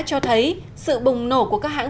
cho thấy sự bùng nổ của các hãng